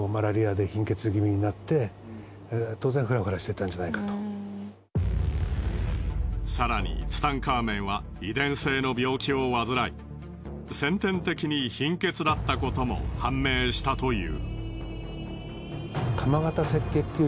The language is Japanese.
たぶん更にツタンカーメンは遺伝性の病気を患い先天的に貧血だったことも判明したという。